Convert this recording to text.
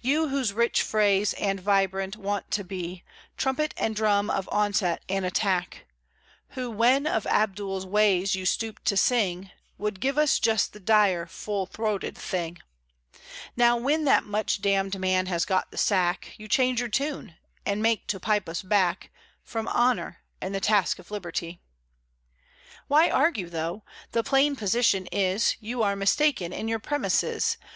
You whose rich phrase, and vibrant, wont to be Trumpet and drum of onset and attack; Who, when of Abdul's ways you stooped to sing, Would give us just the dire, full throated thing; Now, when that much damned man has got the sack, You change your tune, and make to pipe us back From honour, and the task of Liberty! Why argue, though? The plain position is You are mistaken in your premises.